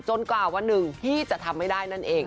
กว่าวันหนึ่งพี่จะทำไม่ได้นั่นเอง